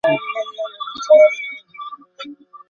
ভাইকে যদি গিটার কিনে দেওয়া হয়, তাহলে সে–ও একটা ট্যাবের দাবিদার।